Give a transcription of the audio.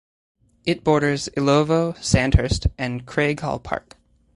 It borders Illovo, Sandhurst, and Craighall Park.